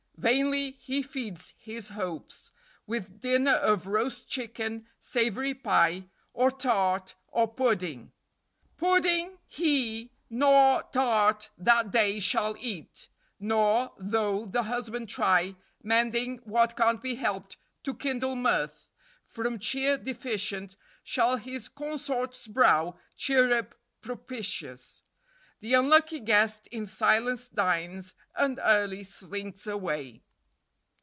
Vainly he feeds his hopes With dinner of roast chicken, savory pie, Or tart, or pudding; pudding he nor tart That day shall eat; nor, though the husband try Mending what can't be helped to kindle mirth From cheer deficient, shall his consort's brow Cheer up propitious; the unlucky guest In silence dines, and early slinks away."